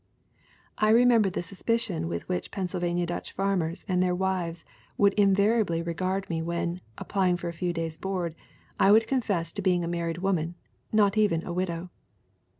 "I remember the suspicion with which Pennsylvania Dutch farmers and their wives would invariably re gard me when, applying for a few days' board, I would confess to being a married woman, not even a widow.